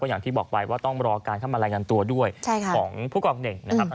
อย่างที่บอกไปว่าต้องรอการเข้ามารายงานตัวด้วยของผู้กองเน่งนะครับ